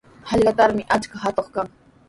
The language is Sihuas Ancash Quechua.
Hallqatrawmi achka atuq kan.